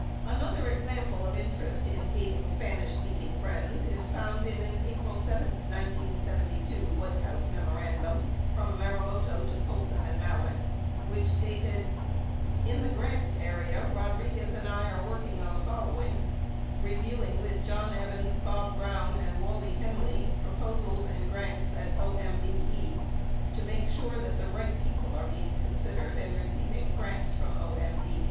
80 Another example of interest in aiding Spanish speaking friends is found in an April 7, 1972, White House memorandum from Maru moto to Colson and Malek which stated : In the grants area, Rodriguez and I are working on the following: Reviewing with John Evans, Bob Brown, and Wally Henley proposals and grants at OMBE to make sure that the right people are being considered and receiving grants from OMBE.